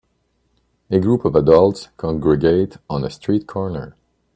A group of adults congregate on a street corner.